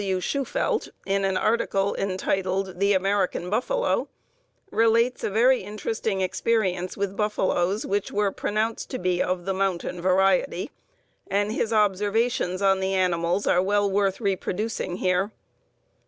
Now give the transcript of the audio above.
W. Shufeldt, in an article entitled "The American Buffalo," relates a very interesting experience with buffaloes which were pronounced to be of the "mountain" variety, and his observations on the animals are well worth reproducing here.